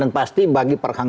dan pasti bagi perhang